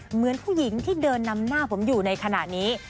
เหมือนผู้หญิงที่เดินนำหน้าผมอยู่ในขณะนี้